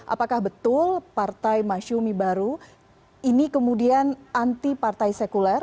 apakah betul partai masyumi baru ini kemudian anti partai sekuler